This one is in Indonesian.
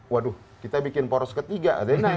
waduh kita bikin poros ketiga